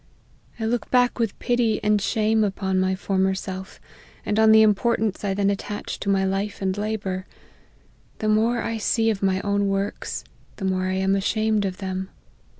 I look back with pity and shame upon my former self, and on the importance I then attached to my life and labours. The more I see of my own works, the more I am ashamed of them.